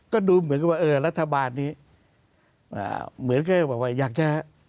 ก็ดูเหมือนกับว่าเออรัฐบาลนี้เหมือนแค่บอกว่าอยากจะ